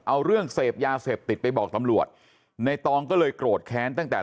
เอาเรื่องเสพยาเสพติดไปบอกตำรวจในตองก็เลยโกรธแค้นตั้งแต่